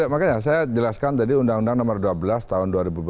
makanya saya jelaskan tadi undang undang nomor dua belas tahun dua ribu dua belas